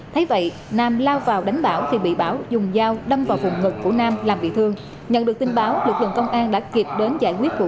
thế vậy nam lao vào đánh bảo khi bị bảo dùng dao đâm vào vùng ngực của nam làm bị thương